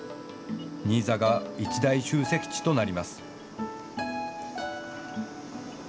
新座が一大集積地となります。